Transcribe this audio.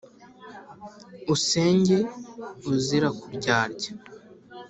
usenge uzira kuryarya